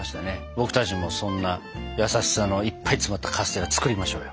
僕たちもそんな優しさのいっぱい詰まったカステラ作りましょうよ。